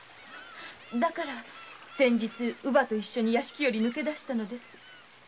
だから先日乳母と屋敷を抜け出したのです。